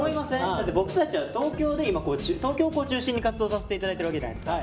だって僕たちは東京で今東京を中心に活動させて頂いてるわけじゃないですか。